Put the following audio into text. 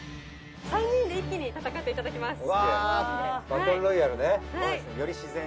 ３人で一気に戦っていただきます